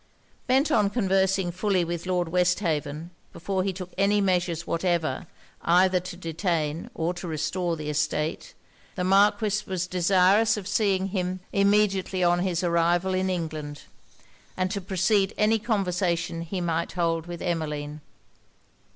Bent on conversing fully with Lord Westhaven before he took any measures whatever either to detain or to restore the estate, the Marquis was desirous of seeing him immediately on his arrival in England, and to precede any conversation he might hold with Emmeline.